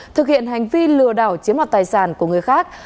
thực hiện hành vi lừa đảo chiếm hoạt tài sản của người khác